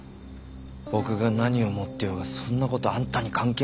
僕が何を持ってようがそんな事あんたに関係ないだろう。